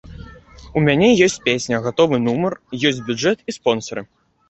У мяне ёсць песня, гатовы нумар, ёсць бюджэт і спонсары.